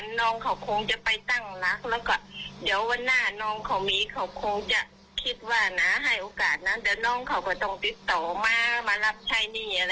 เดี๋ยวน้องเขาก็ต้องติดต่อมามารับใช้หนี้อะไรอย่างนี้